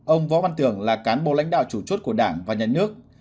ông võ văn tưởng là cán bộ lãnh đạo chủ chốt của đảng và nhà nước